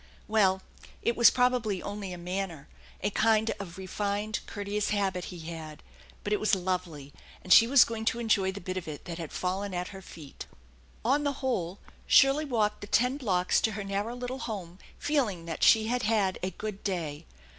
Well, it was probably only a manner, a kind of refined, courteous habit he had ; but it was lovely, and she was going to enjoy the bit of it that had fallen at her feet. On the whole, Shirley walked the ten blocks to her nar row little home feeling that she had had a good day.